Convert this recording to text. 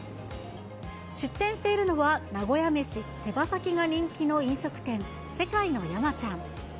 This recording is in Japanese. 出店しているのは、名古屋飯、手羽先が人気の飲食店、世界の山ちゃん。